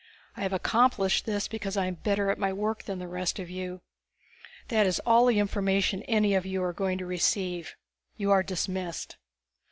I have accomplished this because I am better at my work than the rest of you. That is all the information any of you are going to receive. You are dismissed."